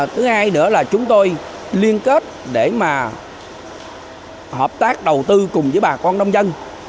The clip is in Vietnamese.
thứ hai nữa là chúng tôi liên kết để mà hợp tác đầu tư cùng với bà con nông dân